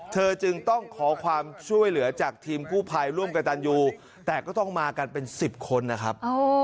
เธอจึงต้องขอความช่วยเหลือจากทีมกู้ภัยร่วมกับตันยูแต่ก็ต้องมากันเป็น๑๐คนนะครับ